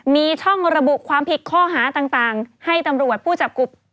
มีช่องระบุความผิดข้อหาต่างให้ตำรวจผู้จับกลุ่ม